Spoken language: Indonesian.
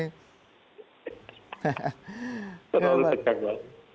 terlalu tegang pak